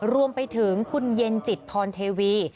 รวมไปถึงคุณเย็นจิตพรเทวี